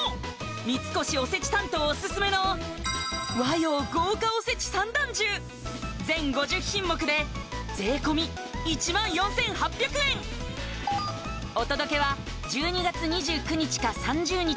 三越おせち担当オススメの和洋豪華おせち三段重全５０品目で税込１４８００円お届けは１２月２９日か３０日